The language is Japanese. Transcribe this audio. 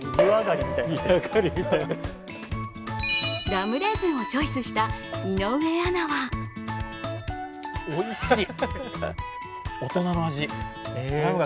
ラムレーズンをチョイスした井上アナはおいしい！